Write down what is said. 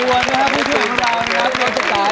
ตัวนี้ครับผู้ชื่นเจ้านักโน้นชะตา